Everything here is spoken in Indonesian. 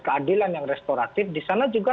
keadilan yang restoratif di sana juga